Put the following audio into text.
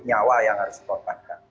nyawa yang harus diperlukan